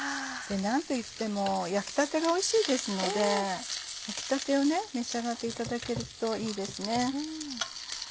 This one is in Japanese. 何といっても焼きたてがおいしいですので焼きたてを召し上がっていただけるといいですね。